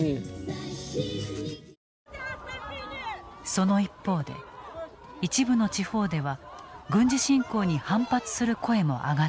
その一方で一部の地方では軍事侵攻に反発する声も上がっている。